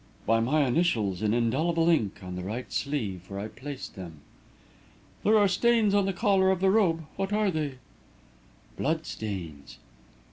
"By my initials in indelible ink, on the right sleeve, where I placed them." "There are stains on the collar of the robe. What are they?" "Blood stains."